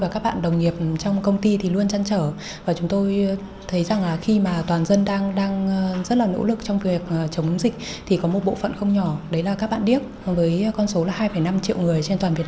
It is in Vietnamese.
chúng tôi phải luôn luôn sáng tạo và luôn luôn đổi mới